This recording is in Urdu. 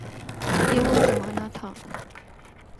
یہ وہ زمانہ تھا۔